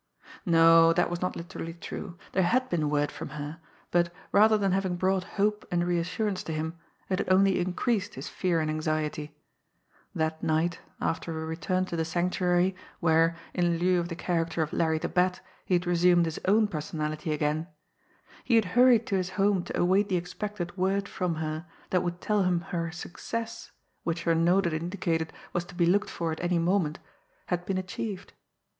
No, that was not literally true. There had been word from her; but, rather than having brought hope and reassurance to him, it had only increased his fear and anxiety. That night, after a return to the Sanctuary, where, in lieu of the character of Larry the Bat, he had resumed his own personality again, he had hurried to his home to await the expected word from her that would tell him her success, which her note had indicated was to be looked for at any moment, had been achieved.